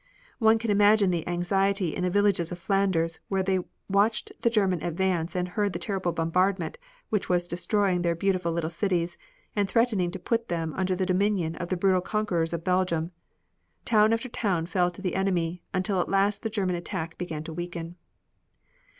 One can imagine the anxiety in the villages of Flanders where they watched the German advance and heard the terrible bombardment which was destroying their beautiful little cities, and threatening to put them under the dominion of the brutal conquerors of Belgium. Town after town fell to the enemy until at last the German attack began to weaken.